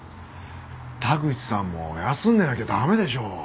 田口さんも休んでなきゃ駄目でしょう。